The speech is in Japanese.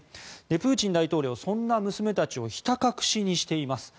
プーチン大統領、そんな娘たちをひた隠しにしています。